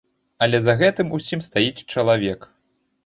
Але за гэтым усім стаіць чалавек.